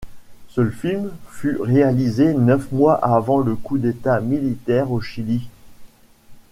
Ce film fut réalisé neuf mois avant le coup d'État militaire au Chili.